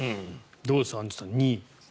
どうです、アンジュさん。